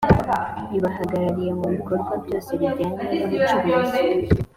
ibahagaririye mu bikorwa byose bijyanye nubucuruzi